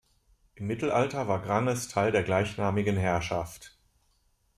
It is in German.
Im Mittelalter war Granges Teil der gleichnamigen Herrschaft.